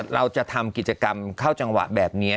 เราจะทำกิจกรรมเข้าจังหวะแบบนี้